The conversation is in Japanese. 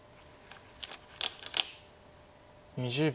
２０秒。